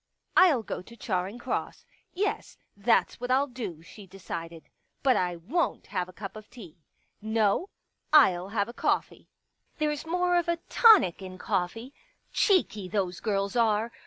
I'll go to Charing Cross. Yes, that's what I'll do," she decided. " But I won't have a cup of tea. 162 Pictures No, I'll have a coffee. There's more of a tonic in coffee. ... Cheeky, those girls are